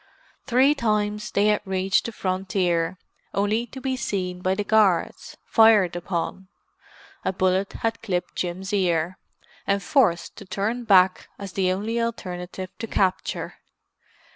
Three times they had reached the frontier; only to be seen by the guards, fired upon—a bullet had clipped Jim's ear—and forced to turn back as the only alternative to capture.